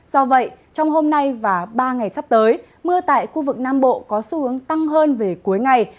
do vậy trong hôm nay và ba ngày sắp tới mưa tại khu vực nam bộ có xu hướng tăng hơn về cuối ngày